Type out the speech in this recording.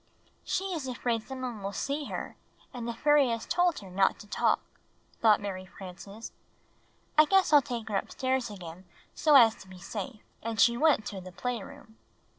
"She is afraid some one will see her, and the fairy has told her not to talk," thought IMary Frances. "I guess I'll take her upstairs again so as to be safe." And she went to the playroom.